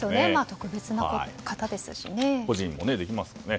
特別な方ですしね。